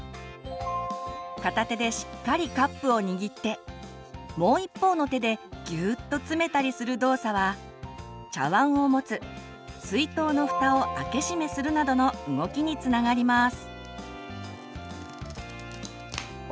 片手でしっかりカップをにぎってもう一方の手でギューッと詰めたりする動作は茶わんを持つ水筒のふたを開け閉めするなどの動きにつながります。